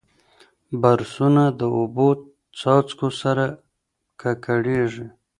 برسونه د اوبو څاڅکو سره ککړېږي.